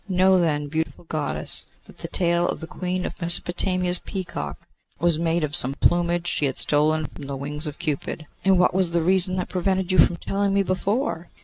'Know, then, beautiful Goddess, that the tail of the Queen of Mesopotamia's peacock was made of some plumage she had stolen from the wings of Cupid.' 'And what was the reason that prevented you from telling me before?